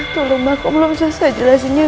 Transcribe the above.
tolong aku belum selesai jelasinnya